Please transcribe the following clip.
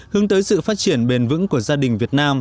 hướng tới sự phát triển bền vững của gia đình việt nam